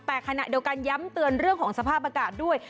แต่ขณะเดียวกันย้ำเตือนเรื่องของสภาพอากาศด้วย